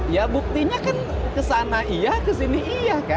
ya buktinya kan kesana iya kesini iya kan